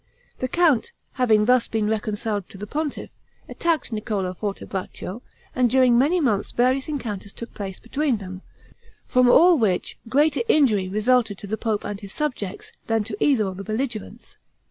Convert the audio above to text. The count, having been thus been reconciled to the pontiff, attacked Niccolo Fortebraccio, and during many months various encounters took place between them, from all which greater injury resulted to the pope and his subjects, than to either of the belligerents.